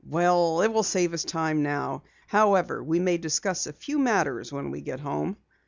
"Well, it will save us time now. However, we may discuss a few matters when we get home."